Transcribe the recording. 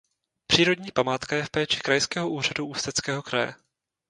Přírodní památka je v péči Krajského úřadu Ústeckého kraje.